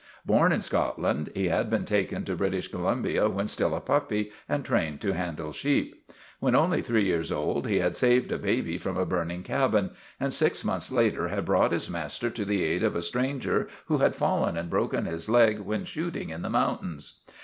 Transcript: Born in Scotland, he had been taken to British Columbia when still a puppy and trained to handle sheep. When only three years old he had saved a baby from a burning cabin, and six months later had brought his master to the aid of a stranger who had fallen and broken his leg when shooting in the mountains.